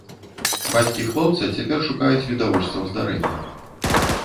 Бацькі хлопца цяпер шукаюць відавочцаў здарэння.